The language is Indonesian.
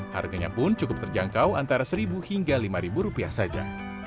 harganya pun cukup terjangkau antara seribu hingga lima ribu rupiah saja